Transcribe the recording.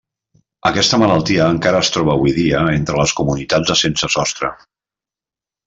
Aquesta malaltia encara es troba avui dia entre les comunitats de sense sostre.